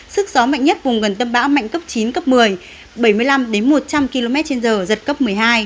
sức gió mạnh nhất vùng gần tâm bão mạnh cấp chín cấp một mươi bảy mươi năm một trăm linh km trên giờ giật cấp một mươi hai